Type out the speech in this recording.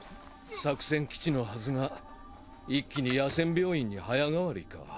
作戦基地のはずが一気に野戦病院に早変わりか。